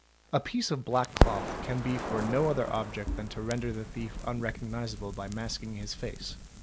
A piece of black cloth can be for no other object than to render the thief unrecognisable by masking his face.